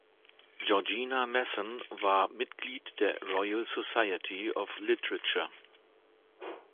Georgina Masson war Mitglied der "Royal Society of Literature".